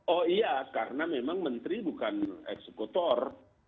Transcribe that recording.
oh iya karena memang menteri bukan eksekutor